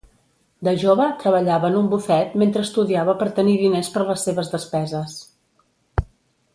De jove treballava en un bufet mentre estudiava per tenir diners per les seves despeses.